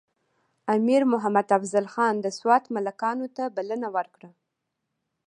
امیر محمد افضل خان د سوات ملکانو ته بلنه ورکړه.